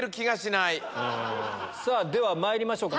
ではまいりましょうか。